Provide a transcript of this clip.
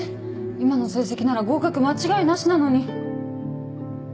今の成績なら合格間違いなしなのに。